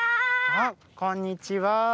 あっこんにちは。